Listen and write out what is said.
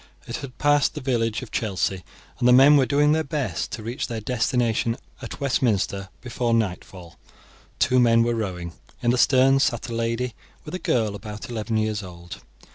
It had passed the village of Chelsea, and the men were doing their best to reach their destination at Westminster before nightfall. Two men were rowing; in the stern sat a lady with a girl about eleven years old.